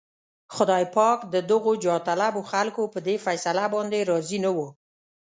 خدای پاک د دغو جاهطلبو خلکو په دې فيصله باندې راضي نه و.